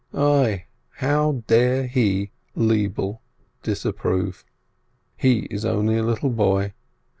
Ai, how dare he, Lebele, disapprove? He is only a little boy.